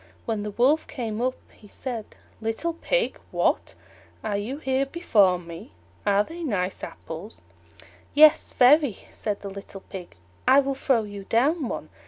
When the Wolf came up he said, "Little Pig, what! are you here before me? Are they nice apples?" "Yes, very," said the little Pig; "I will throw you down one."